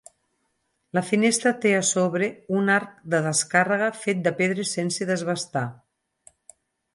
La finestra té a sobre un arc de descàrrega fet de pedres sense desbastar.